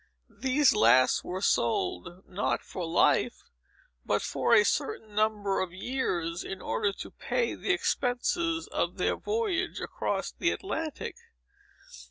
These last were sold, not for life, but for a certain number of years, in order to pay the expenses of their voyage across the Atlantic.